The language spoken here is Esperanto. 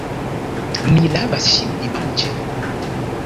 Mi lavas ŝin dimanĉe.